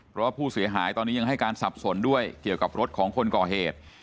เพราะว่าผู้เสียหายตอนนี้ยังให้การสับสนด้วยเกี่ยวกับรถของคนก่อเหตุ